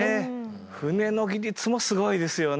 船の技術もすごいですよね。